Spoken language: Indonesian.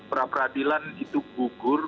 peradilan itu gugur